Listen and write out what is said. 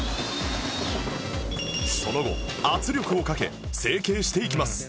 その後圧力をかけ成型していきます